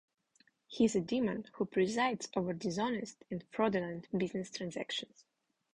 He is a demon who presides over dishonest and fraudulent business transactions.